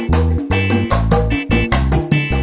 mm duduk deket sini aja